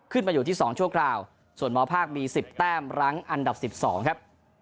ขึ้นมาอยู่ที่๒ชั่วคราวส่วนมภาคมี๑๐แต้มรั้งอันดับ๑๒ครับ